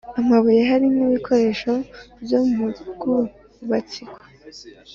amabuye Hari nkibikoresho byo mu bwubatsiko